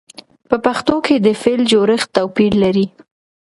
په پښتو کې د فعل جوړښت توپیر لري.